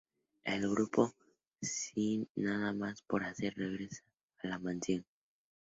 El grupo, sin nada más por hacer, regresa a la Mansión.